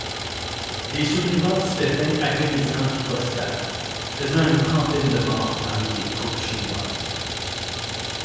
Des survivants tibétains agonisant ripostèrent, faisant une trentaine de morts parmi les troupes chinoises.